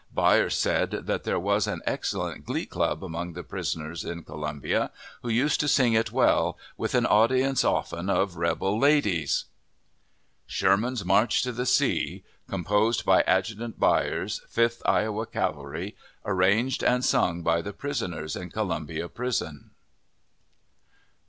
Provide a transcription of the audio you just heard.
Byers said that there was an excellent glee club among the prisoners in Columbia, who used to sing it well, with an audience often of rebel ladies: SHERMAN'S MARCH TO THE SEA. Composed by Adjutant Byers, Fifth Iowa Infantry. Arranged and sung by the Prisoners in Columbia Prison.